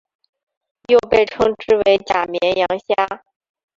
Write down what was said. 又被称之为假绵羊虾。